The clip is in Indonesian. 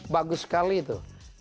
bagus sekali itu